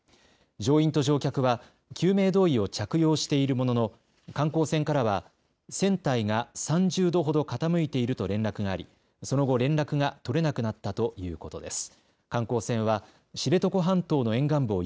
乗員と乗客は、救命胴衣を着用しているものの、観光船からは、船体が３０度ほど傾いていると連絡があり、その後、連絡が取れなくなったということです。